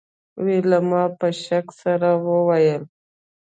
ویلما په شک سره وویل